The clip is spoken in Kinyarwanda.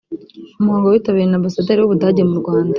umuhango witabiriwe na Ambasaderi w’ u Budage mu Rwanda